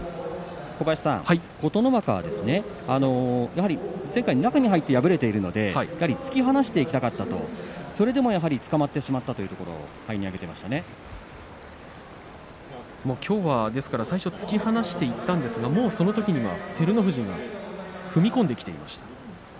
琴ノ若はですねやはり前回、中に入って敗れているので突き放していきたかったとそれでも、やはりつかまってしまったということをきょうは最初突き放していったんですがそのときには照ノ富士踏み込んできていました。